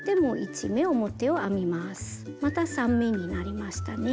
また３目になりましたね。